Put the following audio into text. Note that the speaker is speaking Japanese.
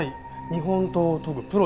日本刀を研ぐプロです。